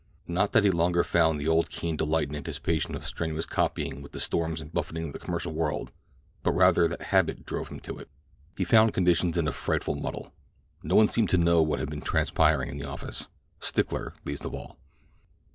Not that he longer found the old keen delight in anticipation of strenuous coping with the storms and buffetings of the commercial world, but rather that habit drove him to it. He found conditions in a frightful muddle. No one seemed to know what had been transpiring in the office—Stickler least of all.